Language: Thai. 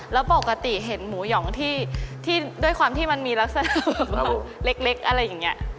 แล้วปกติเห็นหมูหยองที่ด้วยความที่มันมีลักษณะหมูเล็กอะไรอย่างนี้